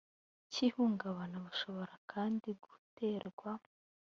cy ihungabana bushobora kandi guterwa